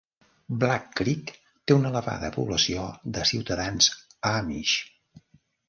Black Creek té una elevada població de ciutadans amish.